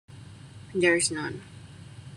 There is none.